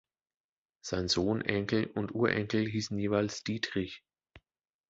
Sein Sohn, Enkel und Urenkel hießen jeweils Dietrich.